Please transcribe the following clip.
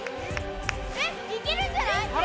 えっいけるんじゃない？